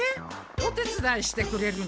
お手つだいしてくれるの？